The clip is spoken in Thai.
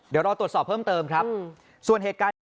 เดี๋ยวรอตรวจสอบเพิ่มเติมครับส่วนเหตุการณ์นี้